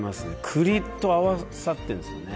栗と合わさってるんですね。